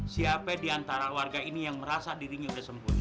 siapa di antara warga ini yang merasa dirinya sudah sembuh